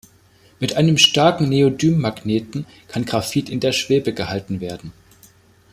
Mit einem starken Neodym-Magneten kann Graphit in der Schwebe gehalten werden.